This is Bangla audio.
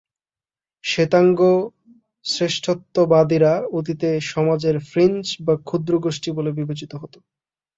শ্বেতাঙ্গ শ্রেষ্ঠত্ববাদীরা অতীতে সমাজের ফ্রিঞ্জ বা ক্ষুদ্র গোষ্ঠী বলে বিবেচিত হতো।